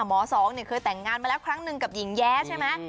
สองเคยแต่งงานมาแล้วครั้งหนึ่งกับหญิงแย้ใช่ไหม